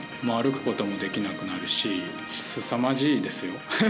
歩くこともできなくなるしすさまじいですよ。